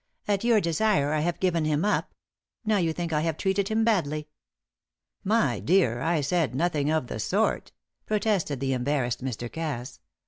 At your desire I have given him up: now you think I have treated him badly." "My dear, I said nothing of the sort," protested the embarrassed Mr. Cass.